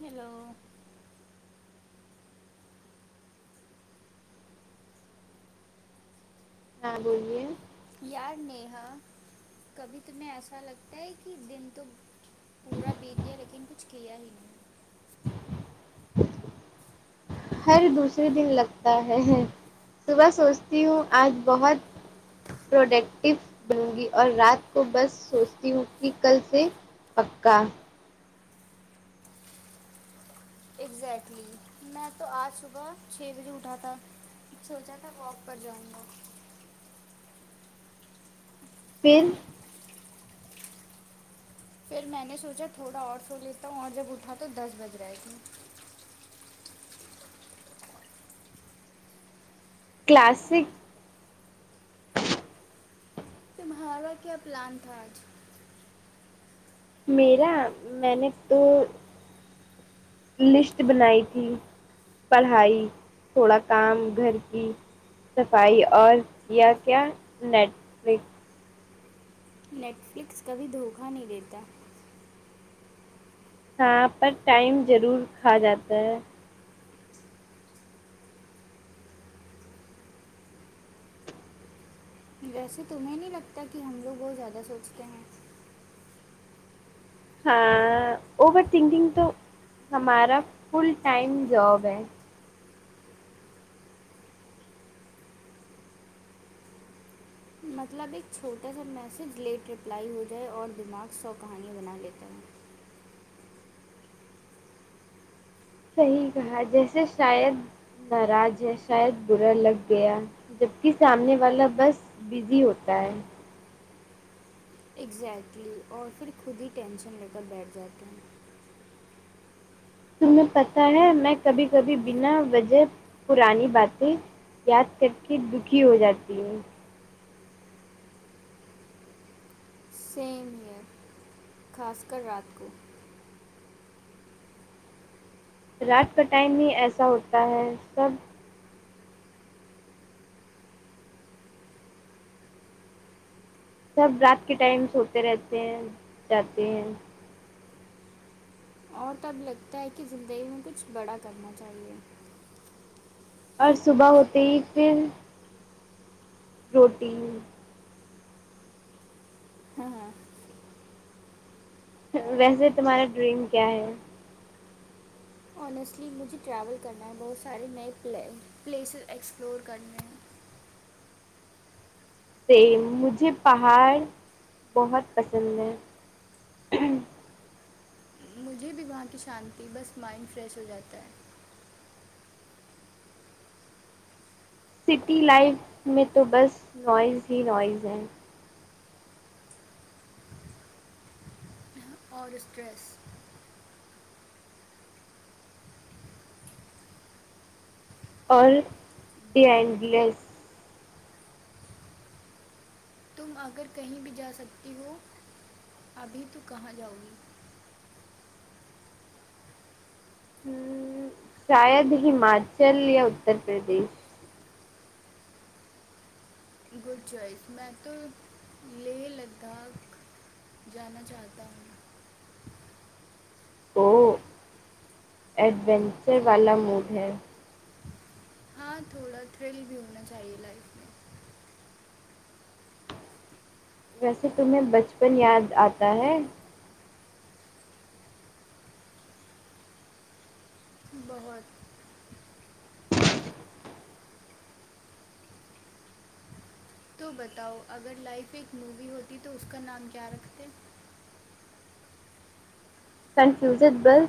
hello ہاں بولیے یار نیہا کبھی تمہیں ایسا لگتا ہے کہ دن تو پورا بیت گیا لیکن کچھ کیا ہی نہیں ہر دوسرے دن لگتا ہے صبح سوچتی ہوں آج بہت پروڈکٹیو بنو گی اور رات کو بس سوچتی ہوں کہ کل سے پکا ایزیکٹلی میں تو آج صبح چھ بجے اٹھا تھا سوچا تھا واک پر جاؤں گا پھر پھر میں نے سوچا تھوڑا اور سو لیتا ہوں اور جب اٹھا تو دس بج رہے تھے کلاسک تمہارا کیا پلان تھا آج میرا میں نے تو لسٹ بنائی تھی پڑھائی تھوڑا کام گھر کی صفائی اور کیا کیا نیٹ فلک نیٹفلکس کبھی دھوکہ نہیں دیتا ہاں پر ٹائم ضرور کھا جاتا ہے ویسے تمہیں نہیں لگتا کہ ہم لوگ بہت زیادہ سوچتے ہیں ہاں اوور تھنکنگ تو ہمارا فل ٹائم جاب ہے مطلب ایک چھوٹا سا میسج لیٹ رپلائی ہو جائے اور دماغ سو کہانییاں بنا لیتا ہے صحیح کہا جیسے شاید ناراض ہے شاید برا لگ گیا جبکہ سامنے والا بس بزی ہوتا ہے ایگزیکلی اور پھر خود ہی ٹینشن لے کر بیٹھ جاتے ہیں تمہیں پتہ ہے میں کبھی کبھی بنا وجہ پرانی باتیں یاد کر کے دکھی ہو جاتی ہے سیم ہیئر خاص کر رات کو رات کا ٹائم ہی ایسا ہوتا ہے سب سب رات کے ٹائمس ہوتے رہتے ہیں جاتے ہیں اور تب لگتا ہے کہ زندگی میں کچھ بڑا کرنا چاہیے اور صبح ہوتے ہی پھر روٹی ہاں ہاں ویسے تمہارا ڈریم کیا ہے انیسٹلی مجھے ٹریول کرنا ہے بہت سارے نئے پلے پلیسز ایکسپلور کرنے ہیں سیم مجھے پہاڑ بہت پسند ہے ہیں مجھے بھی وہاں کی شانتی بس مائنڈ فریش ہو جاتا ہے سٹی لائف میں تو بس نوائز ہی نوائز ہیں اور اسٹریس اور ڈینڈلیس تم اگر کہیں بھی جا سکتی ہو ابھی تو کہاں جاؤ گی ہمم شاید ہماچل یا اتر پردیش گڈ جوائز میں تو لیہ لداخ جانا چاہتا ہوں او ایڈینچر والا موڈ ہے ہاں تھوڑا تھرل بھی ہونا چاہیے لائف میں ویسے تمہیں بچپن یاد آتا ہے بہت تو بتاؤ اگر لائف ایک مووی ہوتی تو اس کا نام کیا رکھتے کنفیوزڈ بل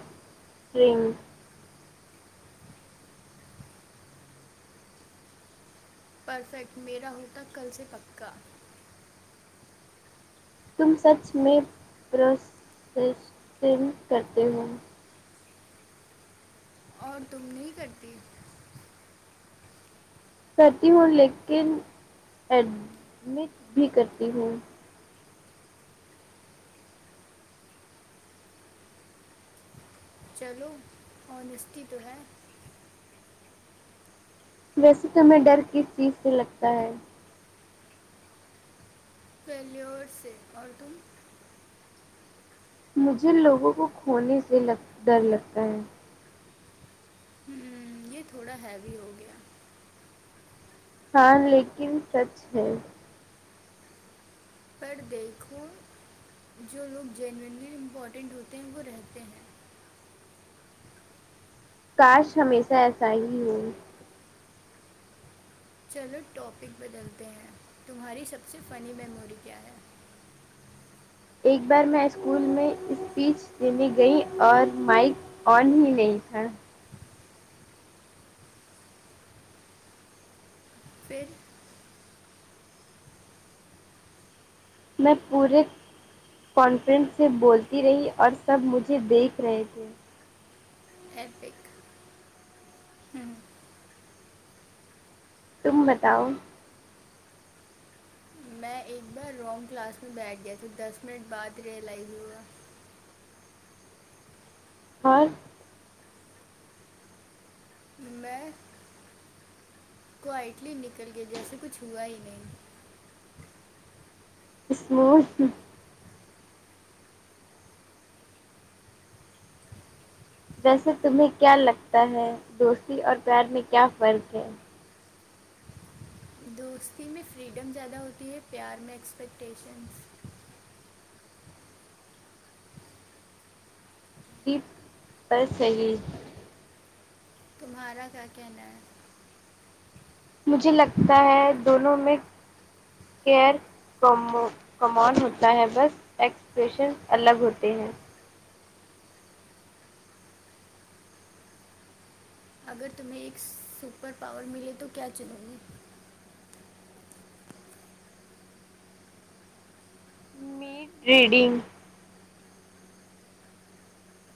ٹریم پرفیکٹ میرا ہوتا کل سے پکا تم سچ میں پروسسنٹن کرتے ہو اور تم نہیں کرتی ہو کرتی ہوں لیکن ایڈمٹ بھی کرتی ہوں چلو انیسٹی تو ہے ویسے تمہیں ڈر کس چیز سے لگتا ہے فیلیور سے اور تم مجھے لوگوں کو کھونے سے لگ ڈر لگتا ہے ہمم، یہ تھوڑا ہیوی ہو گیا ہاں لیکن سچ ہے پر دیکھو جو لوگ جینونلی امپورٹینٹ ہوتے ہیں وہ رہتے ہیں کاش ہمیشہ ایسا ہی ہو چلو ٹاپک بدلتے ہیں تمہاری سب سے فنی میموری کیا ہے ایک بار میں اسکول میں اسپیچ دینے گئی اور مائک آن ہی نہیں تھا پھر میں پورے کنفائڈنس سے بولتی رہی اور سب مجھے دیکھ رہے تھے ایپک تم بتاؤ میں ایک بار رانگ کلاس میں بیٹھ گیا تھا دس منٹ بعد ریئلائز ہوا اور میں کو اٹلی نکل گئی جیسے کچھ ہوا ہی نہیں اسمارٹ ہو ویسے تمہیں کیا لگتا ہے دوستی اور پیار میں کیا فرق ہے دوستی میں فریڈم زیادہ ہوتی ہے پیار میں ایکسپیکٹیشنس جی پر صحیح تمہارا کیا کہنا ہے مجھے لگتا ہے دونوں میں کیئر کم کمانڈ ہوتا ہے بس ایکسپریشن الگ ہوتے ہیں اگر تمہیں ایک سپر پاور ملے تو کیا چنوں گی میٹ ریڈنگ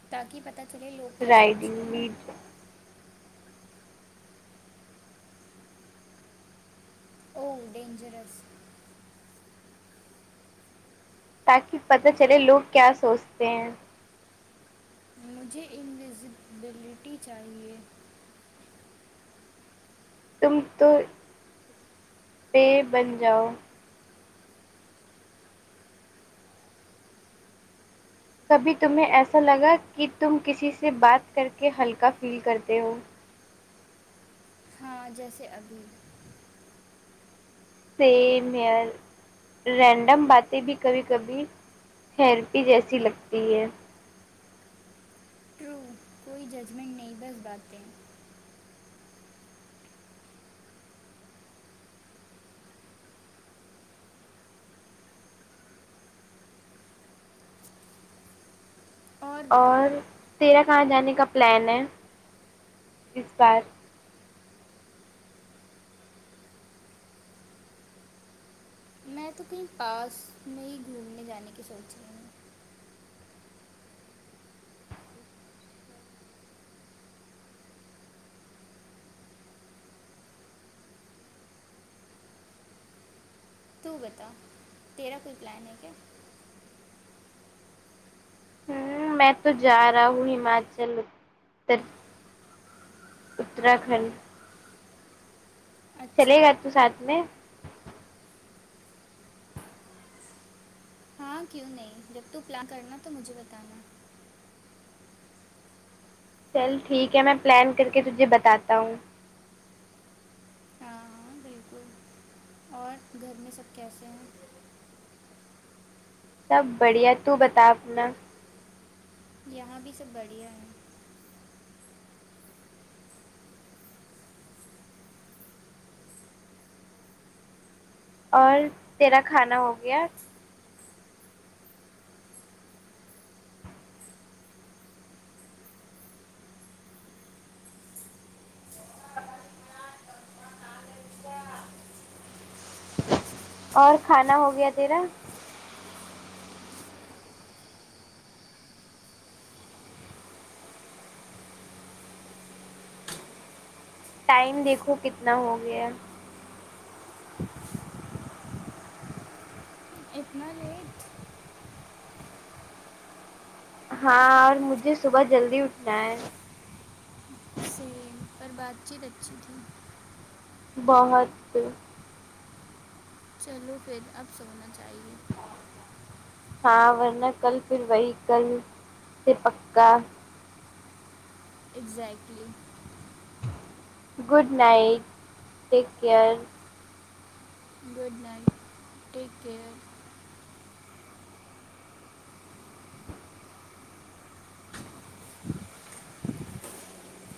تاکہ پتہ چلے لوگ کیا سوچتے رائڈنگ ہیں میڈ او ڈینجرس تاکہ پتہ چلے لوگ کیا سوچتے ہیں مجھے انویزیبلٹی چاہیے تم تو اس پے بن جاؤ کبھی تمہیں ایسا لگا کہ تم کسی سے بات کر کے ہلکا فیل کرتے ہو ہاں جیسے ابھی سیم ہیئر رینڈم باتیں بھی کبھی کبھی تھیرپی جیسی لگتی ہے ٹرو کوئی ججمنٹ نہیں بس باتیں اور تیرا کہاں جانے کا پلان ہے اس بار میں تو کہیں پاس میں ہی گھومنے جانے کی سونچ رہی ہوں تو بتا تیرا کوئی پلان ہے کیا ہوں میں تو جا رہا ہوں ہماچل اتراکھنڈ اچھا چلیگا تو ساتھ میں ہاں کیوں نہیں جب تو پلان کرنا تو مجھے بتانا چل ٹھیک ہے میں پلان کر کے تجھے بتاتا ہوں ہاں ہاں بالکل اور گھر میں سب کیسے ہیں سب بڑھیا تو بتا اپنا یہاں بھی سب بڑھیا ہے اور تیرا کھانا ہو گیا اور کھانا ہو گیا تیرا ٹائم دیکھو کتنا ہو گیا اتنا لیٹ ہاں اور مجھے صبح جلدی اٹھنا ہے سیم پر بات چیت اچھی تھی بہت چلو پھر اب سونا چاہیے ہاں ورنہ کل پھر وہی کل سے پکا exactly good night take care good night take care